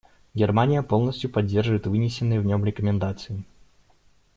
Германия полностью поддерживает вынесенные в нем рекомендации.